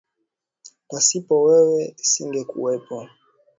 Pasipo wewe singekuwepo.